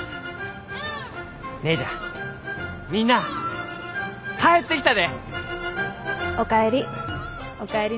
姉ちゃんみんなあ帰ってきたで！お帰り。